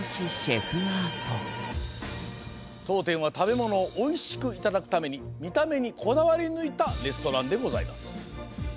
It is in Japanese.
とうてんは食べものをおいしくいただくためにみためにこだわりぬいたレストランでございます。